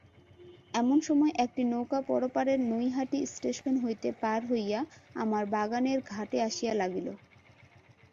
এমনসময় একটি নৌকা পরপারের নৈহাটি স্টেশন হইতে পার হইয়া আমার বাগানের ঘাটে আসিয়া লাগিল।